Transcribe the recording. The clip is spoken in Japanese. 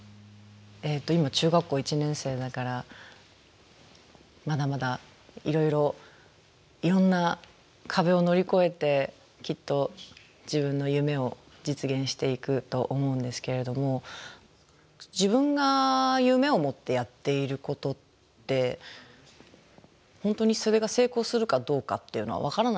えっと今中学校１年生だからまだまだいろいろいろんな壁を乗り越えてきっと自分の夢を実現していくと思うんですけれども自分が夢を持ってやっていることって本当にそれが成功するかどうかっていうのは分からないじゃないですか。